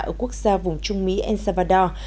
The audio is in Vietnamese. ở quốc gia vùng trung mỹ el salvador